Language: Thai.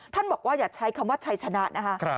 ท่านบอกว่าอย่าใช้คำว่าใช้ชนะนะฮะ